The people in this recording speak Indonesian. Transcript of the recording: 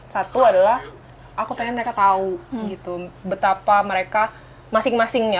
satu adalah aku pengen mereka tahu gitu betapa mereka masing masingnya